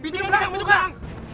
belakang belakang bini belakang